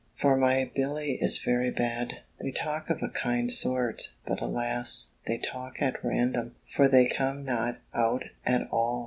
for my Billy is very bad. They talk of a kind sort: but alas: they talk at random: for they come not out at all!